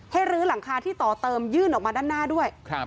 ลื้อหลังคาที่ต่อเติมยื่นออกมาด้านหน้าด้วย